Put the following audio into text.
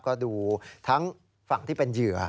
ก็ดูทั้งฝั่งที่เป็นเหยื่อ